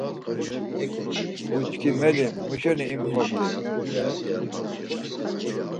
Uçkimeli muşeni imxort!